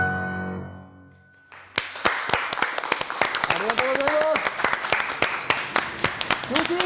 ありがとうございます。